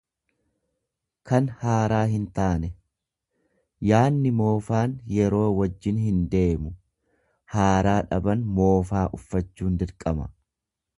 kan haaraa hintaane; Yaanni moofaan yeroo wajjin hindeemu; Haaraa dhaban moofaa uffachuun dirqama.